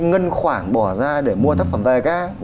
ngân khoản bỏ ra để mua tác phẩm về các anh